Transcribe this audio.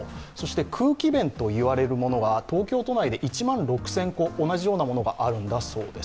空気弁といわれるものが東京都内で１万６０００個同じようなものがあるそうです。